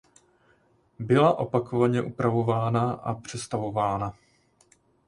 Byla opakovaně opravována a přestavována.